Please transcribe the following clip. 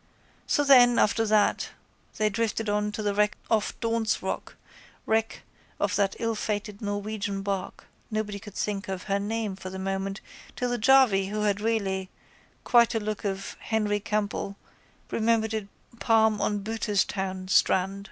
So then after that they drifted on to the wreck off Daunt's rock, wreck of that illfated Norwegian barque nobody could think of her name for the moment till the jarvey who had really quite a look of Henry Campbell remembered it Palme on Booterstown strand.